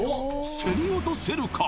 競り落とせるか？